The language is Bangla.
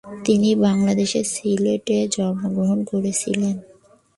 তিনি বাংলাদেশের সিলেটে জন্মগ্রহণ করেছিলেন।